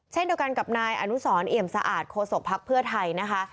เช่นเดียวกันกับนายอนุสรเอี่ยมสะอาดโคศกภักดิ์เพื่อไทยนะคะ